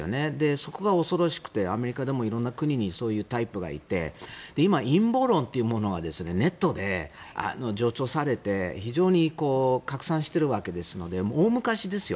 そこが恐ろしくてアメリカでも色んな国にそういうタイプがいて今、陰謀論というものがネットで助長されて非常に拡散しているわけですので大昔ですよ